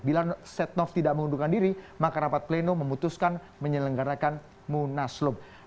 bila setnov tidak mengundurkan diri maka rapat pleno memutuskan menyelenggarakan munaslup